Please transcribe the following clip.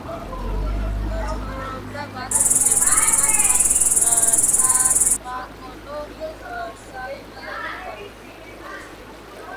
ცხოვრობდა ბათუმში, ეწეოდა საადვოკატო საქმიანობას.